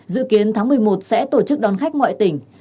dự kiến tháng một mươi một sẽ tổ chức đón khách ngoại tỉnh